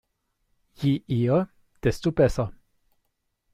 Je eher, desto besser.